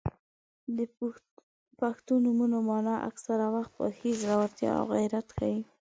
• د پښتو نومونو مانا اکثره وخت خوښي، زړورتیا او غیرت ښيي.